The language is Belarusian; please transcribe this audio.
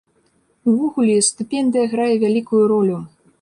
Увогуле стыпендыя грае вялікую ролю.